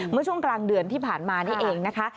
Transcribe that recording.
เมื่อช่วงกลางเดือนที่ผ่านมานี่เองนะคะ